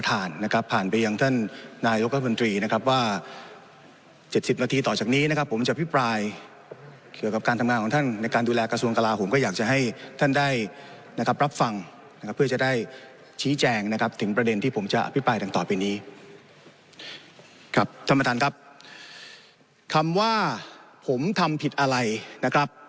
ท่านประธานครับคำว่าผมทำผิดอะไรนะครับ